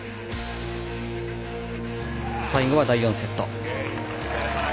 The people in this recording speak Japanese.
最後は、第４セット。